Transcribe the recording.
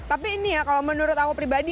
tapi ini ya kalau menurut aku pribadi